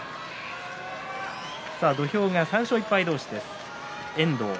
土俵は３勝１敗同士です、遠藤。